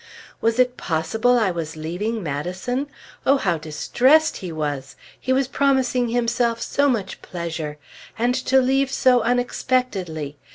Was it possible I was leaving Madison? Oh, how distressed he was! He was promising himself so much pleasure! And to leave so unexpectedly!